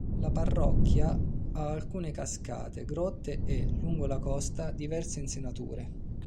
La parrocchia ha alcune cascate, grotte e, lungo la costa, diverse insenature.